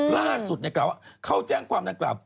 ล่าสุดในกราบเขาแจ้งความดังกล่าว